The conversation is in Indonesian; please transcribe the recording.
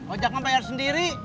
ojak kan bayar sendiri